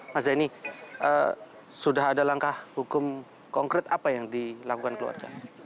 mas zaini sudah ada langkah hukum konkret apa yang dilakukan keluarga